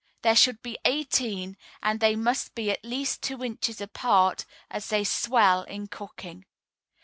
There should be eighteen, and they must be at least two inches apart, as they swell in cooking.